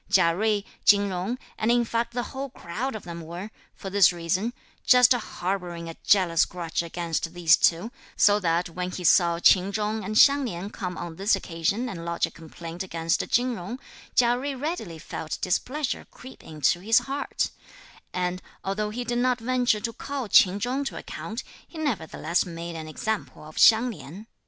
Chia Jui, Chin Jung and in fact the whole crowd of them were, for this reason, just harbouring a jealous grudge against these two, so that when he saw Ch'in Chung and Hsiang Lin come on this occasion and lodge a complaint against Chin Jung, Chia Jui readily felt displeasure creep into his heart; and, although he did not venture to call Ch'in Chung to account, he nevertheless made an example of Hsiang Lin.